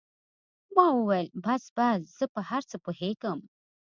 ما وويل بس بس زه په هر څه پوهېږم.